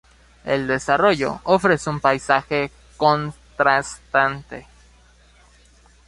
El desarrollo ofrece un paisaje contrastante.